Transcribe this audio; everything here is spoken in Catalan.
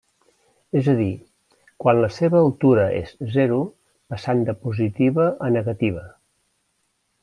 És a dir, quan la seva altura és zero, passant de positiva a negativa.